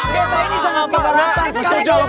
bapak ini sama pak rutan sekali jawab